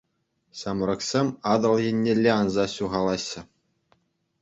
Ҫамрӑксем Атӑл еннелле анса ҫухалаҫҫӗ.